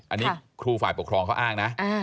อันนี้ครูฝ่ายปกครองเขาอ้างนะ